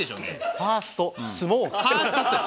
ファーストって！